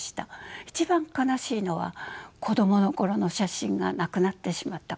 一番悲しいのは子どもの頃の写真がなくなってしまったことです。